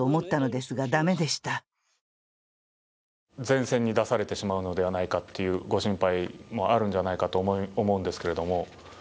前線に出されてしまうのではないかというご心配もあるんじゃないかと思うんですけれども。